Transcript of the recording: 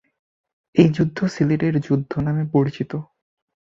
এই যুদ্ধ সিলেটের যুদ্ধ নামে পরিচিত।